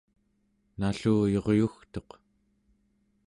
nalluyuryugtuq